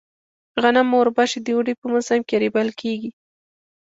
غنم او اوربشې د اوړي په موسم کې رېبل کيږي.